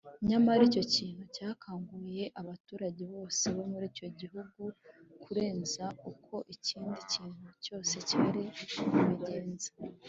nyamara icyo kintu cyakanguye abaturage bose bo muri icyo gihugu kurenza uko ikindi kintu cyose cyari kubigenza,